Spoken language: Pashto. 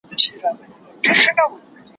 چى وطن ته دي بللي خياطان دي